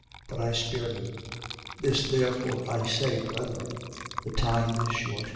But I spare you. 7:29. This therefore I say, brethren: The time is short.